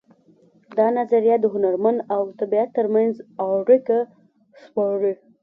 دا نظریه د هنرمن او طبیعت ترمنځ اړیکه سپړي